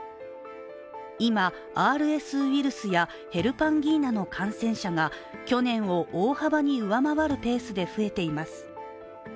今、ＲＳウイルスやヘルパンギーナの感染者が去年を大幅に上回るペースで増えています。